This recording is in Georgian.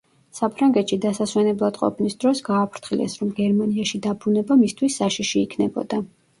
საფრანგეთში დასასვენებლად ყოფნის დროს გააფრთხილეს, რომ გერმანიაში დაბრუნება მისთვის საშიში იქნებოდა.